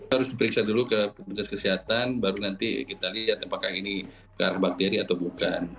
harus diperiksa dulu ke petugas kesehatan baru nanti kita lihat apakah ini karena bakteri atau bukan